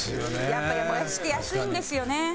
やっぱりもやしって安いんですよね。